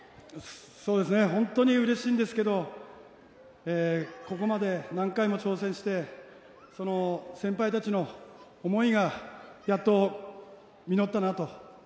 本当にうれしいんですけどここまで何回も挑戦して先輩たちの思いがやっと実ったなと。